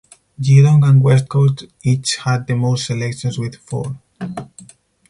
Geelong and West Coast each had the most selections with four.